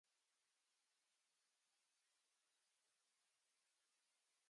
Claes was a member of the Flemish Socialist Party.